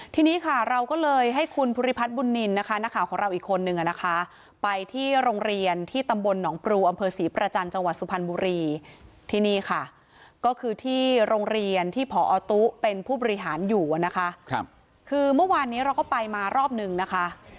ทีนี้ค่ะเราก็เลยให้คุณภูริพัฒน์บุญนินนะคะนักข่าวของเราอีกคนนึงนะคะไปที่โรงเรียนที่ตำบลหนองปรูอำเภอศรีประจันทร์จังหวัดสุพรรณบุรีที่นี่ค่ะก็คือที่โรงเรียนที่ผอตุ๊เป็นผู้บริหารอยู่นะคะคือเมื่อวานนี้เราก็ไปมารอบนึงนะคะ